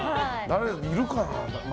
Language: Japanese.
いるかな？